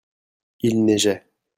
il neigeait.